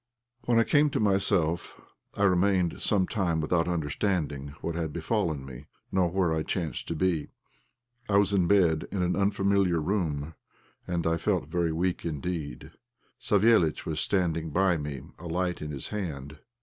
When I came to myself I remained some time without understanding what had befallen me, nor where I chanced to be. I was in bed in an unfamiliar room, and I felt very weak indeed. Savéliitch was standing by me, a light in his hand.